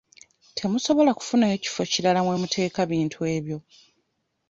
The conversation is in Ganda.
Temusobola kufunayo kifo kirala we muteeka bintu ebyo?